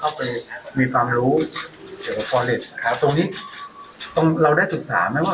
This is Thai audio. เข้าไปมีความรู้เกี่ยวกับฟอเล็ตครับตรงนี้ตรงเราได้ศึกษาไหมว่า